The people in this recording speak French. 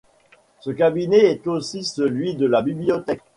Ce Cabinet est aussi celui de la Bibliothèque.